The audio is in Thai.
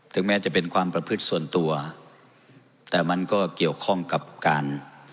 แม้จะเป็นความประพฤติส่วนตัวแต่มันก็เกี่ยวข้องกับการ